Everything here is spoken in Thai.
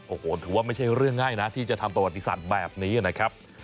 โอ้โหถือว่าไม่ใช่เรื่องง่ายนะที่จะทำประวัติศาสตร์แบบนี้นะครับ